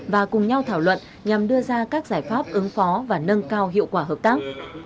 và cùng nhau thảo luận nhằm đưa ra các giải pháp ứng phó và nâng cao hiệu quả hợp tác